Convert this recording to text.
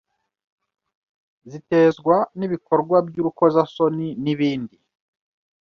zitezwa n’ibikorwa by’urukozasoni n’ibindi